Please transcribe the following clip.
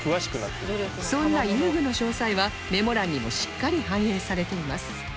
そんな遊具の詳細はメモ欄にもしっかり反映されています